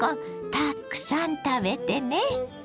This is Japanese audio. たくさん食べてね。